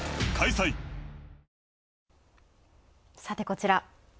さて、こちら。